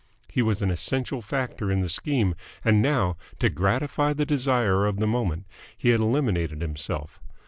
He was an essential factor in the scheme, and now, to gratify the desire of the moment, he had eliminated himself.